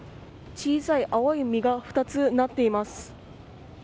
小さい青い実が２つなっています。